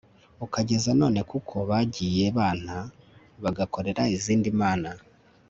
ukageza none kuko bagiye banta e bagakorera izindi mana